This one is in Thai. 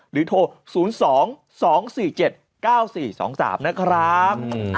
โทร๐๒๒๔๗๙๔๒๓นะครับ